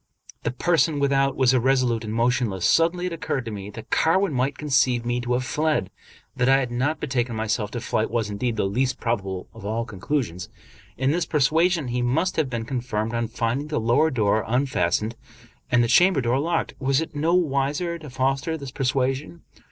The person without was irresolute and motionless. Suddenly it occurred to me that Carwin might conceive me to have fled. That I had not betaken myself to flight was, indeed, the least probable of all conclusions. In this persuasion he must have been confirmed on finding the lower door unfastened and the chamber door locked. Was it not wise to foster this persuasion?